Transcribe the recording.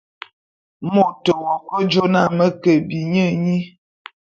Mot w'ake jô na me ke bi nye nyi.